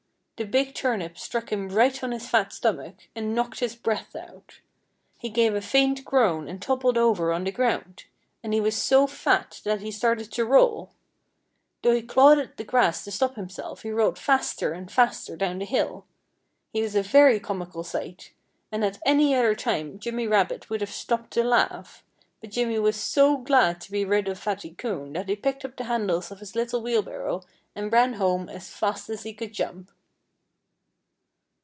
The big turnip struck him right on his fat stomach and knocked his breath out. He gave a faint groan and toppled over on the ground. And he was so fat that he started to roll. Though he clawed at the grass to stop himself, he rolled faster and faster down the hill. He was a very comical sight. And at any other time Jimmy Rabbit would have stopped to laugh. But Jimmy was so glad to be rid of Fatty Coon that he picked up the handles of his little wheelbarrow and ran home as fast as he could jump.